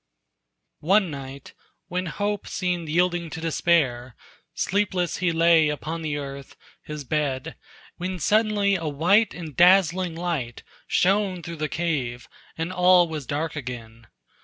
One night, when hope seemed yielding to despair, Sleepless he lay upon the earth his bed When suddenly a white and dazzling light Shone through the cave, and all was dark again.